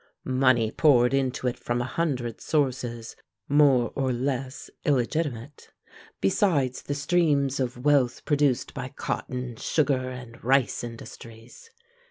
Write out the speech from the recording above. Money poured into it from a hundred sources more or less illegitimate, besides the streams of wealth produced by cotton, sugar, and rice industries.